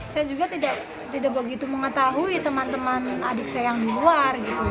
saya juga tidak begitu mengetahui teman teman adik saya yang di luar gitu